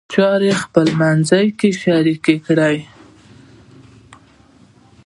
چارې خپلمنځ کې شریک کړئ.